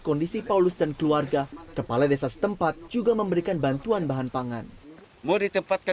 kondisi paulus dan keluarga kepala desa setempat juga memberikan bantuan bahan pangan mau ditempatkan